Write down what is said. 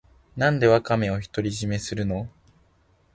なんでワカメを独り占めするの